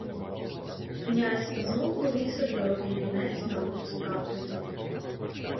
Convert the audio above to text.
Князь знов повісив дорогий вінець на руку статуї.